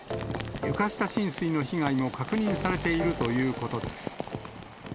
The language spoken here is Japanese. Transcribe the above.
床下浸水の被害も確認されているということです。